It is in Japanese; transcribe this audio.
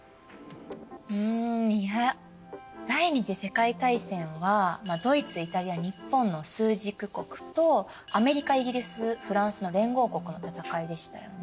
うんいや第二次世界大戦はドイツイタリア日本の枢軸国とアメリカイギリスフランスの連合国の戦いでしたよね。